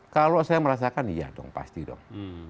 kalau saya merasakan ya dong pasti dong